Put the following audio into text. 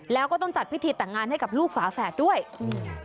แล้วก็ต้องจัดพิธีแต่งงานให้กับลูกฝาแฝดด้วยอืม